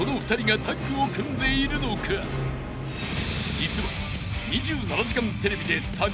［実は］